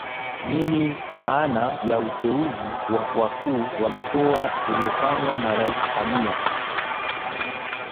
Nini maana ya uteuzi wa wakuu wa mikoa uliofanywa na Rais Samia